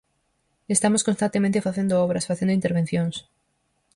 Estamos constantemente facendo obras, facendo intervencións.